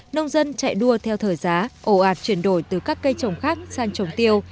nông dân chạy đua theo thời giá ồ ạt chuyển đổi từ các cây trồng khác sang trồng tiêu